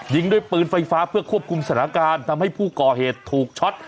ยิงด้วยปืนไฟฟ้าเพื่อควบคุมสถานการณ์ทำให้ผู้ก่อเหตุถูกช็อต